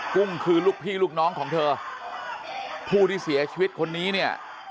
กุ้งคือลูกพี่ลูกน้องของเธอผู้ที่เสียชีวิตคนนี้เนี่ย